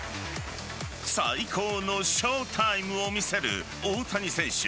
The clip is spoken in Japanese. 最高のショータイムを見せる大谷選手。